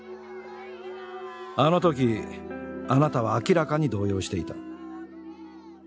あの時あなたは明らかに動揺していた。